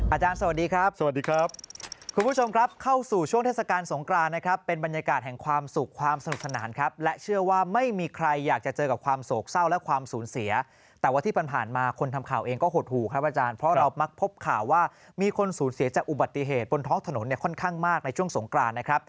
สวัสดีครับสวัสดีครับคุณผู้ชมครับเข้าสู่ช่วงเทศกาลสงกรานนะครับเป็นบรรยากาศแห่งความสุขความสนุกสนานครับและเชื่อว่าไม่มีใครอยากจะเจอกับความโศกเศร้าและความสูญเสียแต่ว่าที่ผ่านมาคนทำข่าวเองก็หดหูครับอาจารย์เพราะเรามักพบข่าวว่ามีคนสูญเสียจากอุบัติเหตุบนท้องถนนเนี่ยค่อนข้างมากในช่วงสงกรานนะครับ